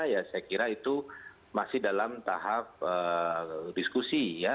ya saya kira itu masih dalam tahap diskusi ya